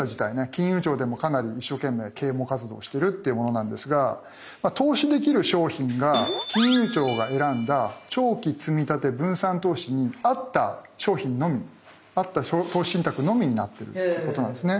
金融庁でもかなり一生懸命啓蒙活動をしてるってものなんですが投資できる商品が金融庁が選んだ長期積立分散投資に合った商品のみ合った投資信託のみになってるっていうことなんですね。